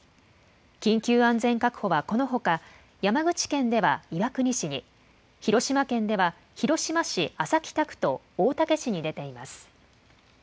緊急安全確保はこのほか、山口県では岩国市に、広島県では広島市安佐北区と大竹市に出ています。